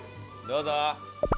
どうぞ。